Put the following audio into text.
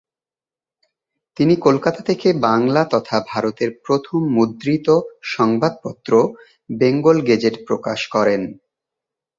তিনি কলকাতা থেকে বাংলা তথা ভারতের প্রথম মুদ্রিত সংবাদপত্র বেঙ্গল গেজেট প্রকাশ করেন।